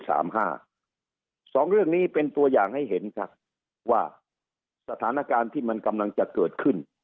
สองเรื่องนี้เป็นตัวอย่างให้เห็นครับว่าสถานการณ์ที่มันกำลังจะเกิดขึ้น